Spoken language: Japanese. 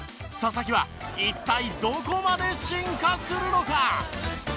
佐々木は一体どこまで進化するのか？